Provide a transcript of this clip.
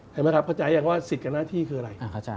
เข้าใจอย่างว่าสิทธิ์กับหน้าที่คืออะไร